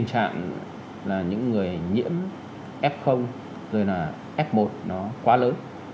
tình trạng là những người nhiễm f rồi là f một nó quá lớn